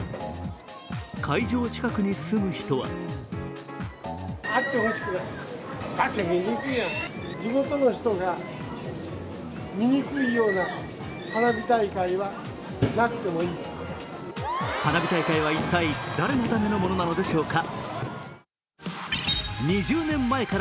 会場近くに住む人は花火大会は一体、誰のためのものなのでしょうか。